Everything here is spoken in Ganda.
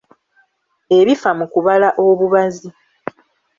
Ebifa ku kubala obubazi.